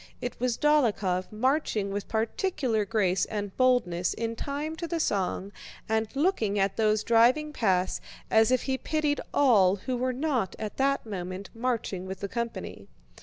It was Dólokhov marching with particular grace and boldness in time to the song and looking at those driving past as if he pitied all who were not at that moment marching with the company.